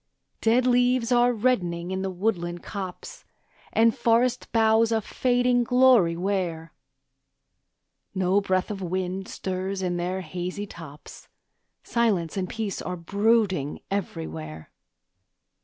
Dead leaves are reddening in the woodland copse, And forest boughs a fading glory wear; No breath of wind stirs in their hazy tops, Silence and peace are brooding everywhere.